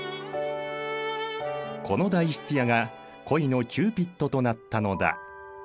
この代筆屋が恋のキューピットとなったのだ。